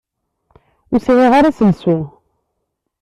Ur sɛiɣ ara aselsu.